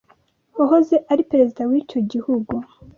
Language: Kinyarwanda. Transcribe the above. wahoze ari Perezida w’icyo gihugu,